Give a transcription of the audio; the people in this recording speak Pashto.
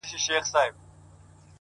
ما تاته د پرون د خوب تعبير پر مخ گنډلی-